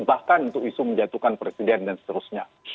bahkan untuk isu menjatuhkan presiden dan seterusnya